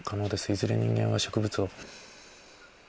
いずれ人間は植物を。